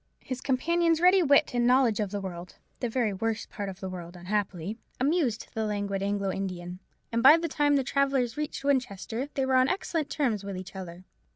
His companion's ready wit and knowledge of the world—the very worst part of the world, unhappily—amused the languid Anglo Indian: and by the time the travellers reached Winchester, they were on excellent terms with each other.